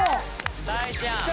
大ちゃん！